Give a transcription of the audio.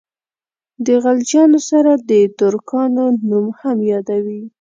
د خلجیانو سره د ترکانو نوم هم یادوي.